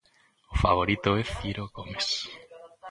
O favorito é Ciro Gomes.